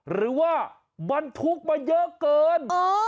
หรือว่าบรรทุกมาเยอะเกิน